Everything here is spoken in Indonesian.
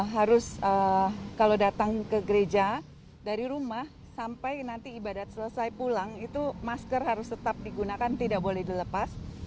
harus kalau datang ke gereja dari rumah sampai nanti ibadat selesai pulang itu masker harus tetap digunakan tidak boleh dilepas